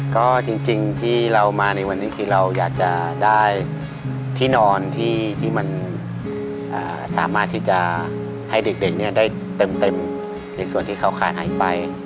ก็จริงที่เรามาในวันนี้คือเราอยากจะได้ที่นอนที่มันสามารถที่จะให้เด็กได้เต็มในส่วนที่เขาขาดหายไป